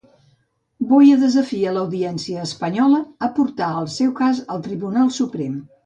Boye desafia l'Audiència espanyola a portar el seu cas al Tribunal Suprem.